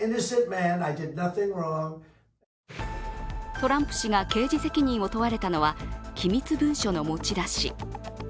トランプ氏が刑事責任を問われたのは機密文書の持ち出し。